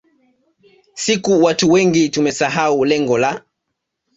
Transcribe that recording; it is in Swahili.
siku watu wengi tumesahau lengo la